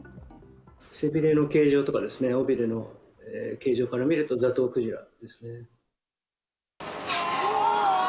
背びれの形状とかですね、尾びれの形状から見ると、ザトウクジラですね。